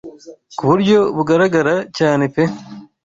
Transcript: ku buryo bugaragara cyane pe